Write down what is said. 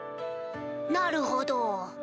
なるほど。